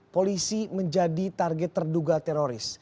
polisi menjadi target terduga teroris